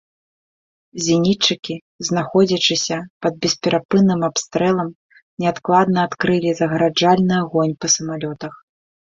Зенітчыкі, знаходзячыся пад бесперапынным артабстрэлам, неадкладна адкрылі загараджальны агонь па самалётах.